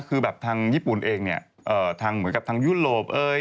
คือแบบทางญี่ปุ่นเองเนี่ยทางเหมือนกับทางยุโรปเอ้ย